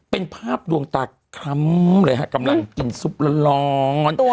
เป็นภาพดวงตาคล้ำเลยฮะกำลังกินซุปร้อน